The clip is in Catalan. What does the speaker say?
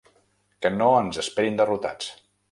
Que no ens esperin derrotats.